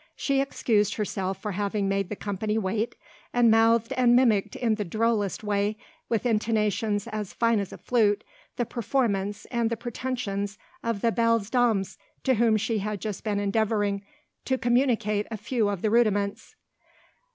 She excused herself for having made the company wait, and mouthed and mimicked in the drollest way, with intonations as fine as a flute, the performance and the pretensions of the belles dames to whom she had just been endeavouring to communicate a few of the rudiments.